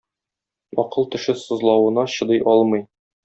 Акыл теше сызлавына чыдый алмый